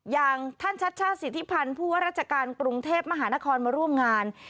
อย่างท่านชัชชาติสิทธิพันธ์ผู้ว่าราชการกรุงเทพมหานครมาร่วมงาน